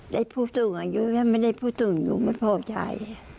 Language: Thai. ได้พูดถึงอายุไว้ไม่ได้พูดถึงอยู่ไม่พอใช้